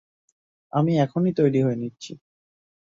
আমি এখনই তৈরি হয়ে নিচ্ছি।